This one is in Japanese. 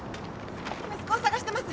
息子を捜してます！